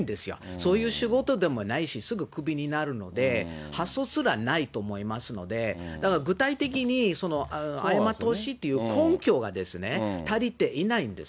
そういう仕事でもないし、すぐ首になるので、発想すらないと思いますので、具体的に謝ってほしいっていう根拠が足りていないんです。